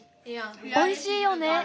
おいしいよね。